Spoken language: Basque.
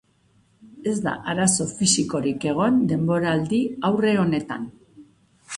Ez da arazo fisikorik egon denboraldi-aurre honetan.